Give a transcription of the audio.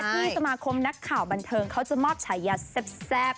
ที่สมาคมนักข่าวบันเทิงเขาจะมอบฉายาแซ่บ